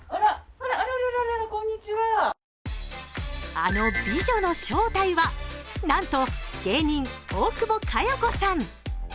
あの美女の正体はなんと芸人、大久保佳代子さん。